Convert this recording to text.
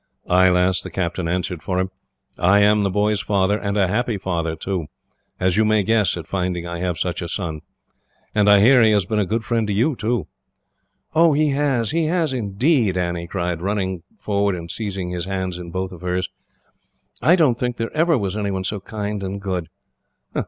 "Ay, lass," the captain answered for him. "I am the boy's father, and a happy father, too, as you may guess, at finding I have such a son. And I hear he has been a good friend to you, too." "Oh, he has, he has indeed!" Annie cried, running forward and seizing his hands in both of hers. "I don't think there ever was anyone so kind and good."